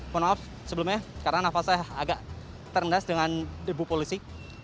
mohon maaf sebelumnya karena nafas saya agak terendas dengan debu polisi